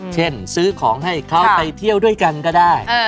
ซื้อของให้เขาไปเที่ยวด้วยกันก็ได้